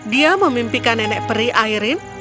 dia memimpikan nenek peri airin